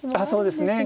そうですね。